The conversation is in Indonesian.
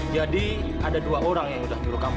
jadi ada dua orang yang sudah nyuruh kamu